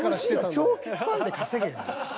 ＭＣは長期スパンで稼げよ。